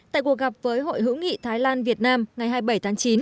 tại cuộc gặp với hội hữu nghị thái lan việt nam ngày hai mươi bảy tháng chín